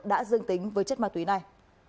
đã dương tính với chất ma túy này